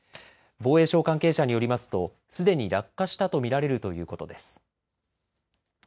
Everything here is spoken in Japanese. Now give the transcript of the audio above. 防衛省関係者によりますとすでに落下したと見られるということです。